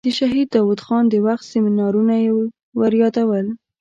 د شهید داود خان د وخت سیمینارونه یې وریادول.